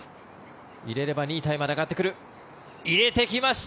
入れれば２位タイまで上がってくる入れてきました